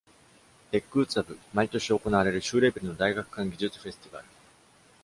TechUtsav -毎年行われる州レベルの大学間技術フェスティバル。